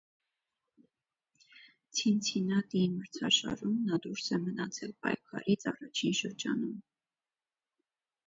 Ցինցինատիի մրցաշարում նա դուրս է մնացել պայքարից առաջին շրջանում։